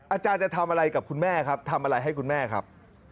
อาจารย์จะทำอะไรกับคุณแม่ครับทำอะไรให้คุณแม่ครับ